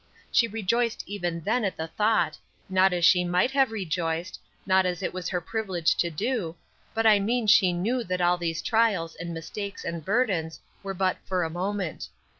She rejoiced even then at the thought, not as she might have rejoiced, not as it was her privilege to do, but I mean she knew that all these trials, and mistakes, and burdens, were but for a moment.